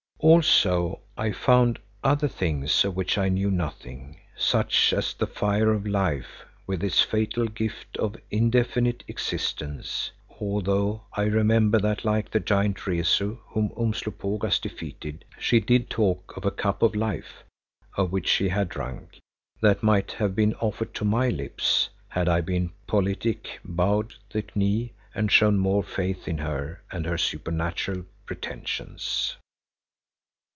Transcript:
Also I found other things of which I knew nothing, such as the Fire of Life with its fatal gift of indefinite existence, although I remember that like the giant Rezu whom Umslopogaas defeated, she did talk of a "Cup of Life" of which she had drunk, that might have been offered to my lips, had I been politic, bowed the knee and shown more faith in her and her supernatural pretensions.